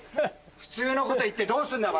普通のこと言ってどうすんだ！